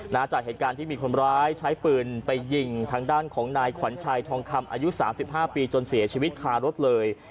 จากเหตุการณ์ที่มีคนร้ายใช้ปืนไปยิงทางด้านของนายขวัญชัยทองคำอายุสามสิบห้าปีจนเสียชีวิตคารถเลย